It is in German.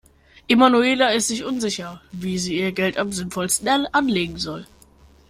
Emanuela ist sich unsicher, wie sie ihr Geld am sinnvollsten anlegen soll.